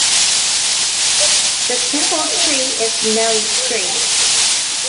The temple tree is Nelli tree.